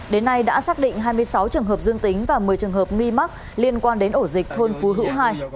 đến nay đã xác định hai mươi sáu trường hợp dương tính và một mươi trường hợp nghi mắc liên quan đến ổ dịch thôn phú hữu hai